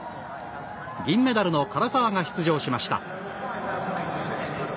銀メダルの唐澤が出場しました。